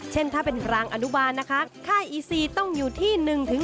เช่นถ้าเป็นรางอนุบาลนะคะค่ายอีซีต้องอยู่ที่๑๕